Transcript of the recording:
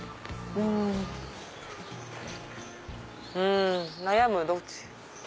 うん悩むどっち。